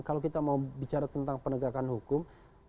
kalau kita mau bicara tentang penegakan hukum